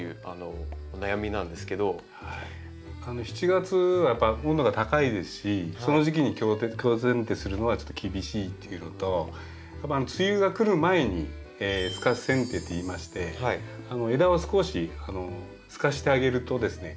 ７月はやっぱ温度が高いですしその時期に強せん定するのはちょっと厳しいっていうのとやっぱ梅雨がくる前に透かしせん定といいまして枝を少し透かしてあげるとですね